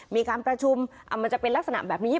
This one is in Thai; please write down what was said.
มีการประชุมมันจะเป็นลักษณะแบบนี้